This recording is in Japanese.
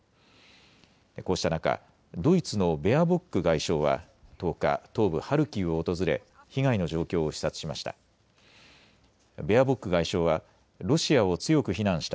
こうした中、ドイツのベアボック外相は１０日、東部ハルキウを訪れ被害の状況を視察しました。